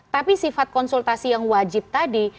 tapi sifat konsultasi yang wajib tadi